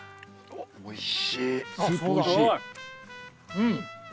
うん。